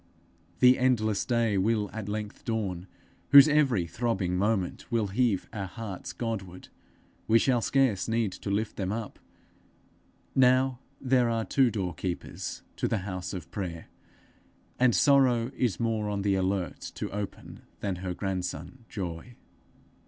The endless day will at length dawn whose every throbbing moment will heave our hearts Godward; we shall scarce need to lift them up: now, there are two door keepers to the house of prayer, and Sorrow is more on the alert to open than her grandson Joy.